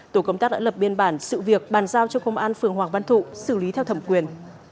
tổ công tác đã lập biên bản sự việc bàn giao cho công an phường hoàng văn thụ xử lý theo thẩm quyền